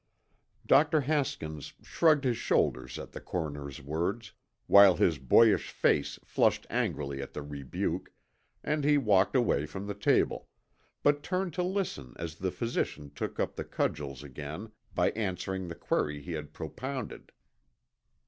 Dr. Haskins shrugged his shoulders at the coroner's words, while his boyish face flushed angrily at the rebuke, and he walked away from the table, but turned to listen as the physician took up the cudgels again by answering the query he had propounded.